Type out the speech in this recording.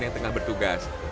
yang tengah bertugas